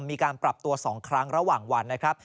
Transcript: มีการปรับตัว๒ครั้งระหว่างวันนะครับ